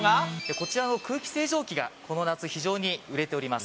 こちらの空気清浄機が、この夏、非常に売れております。